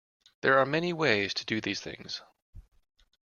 There are many ways to do these things.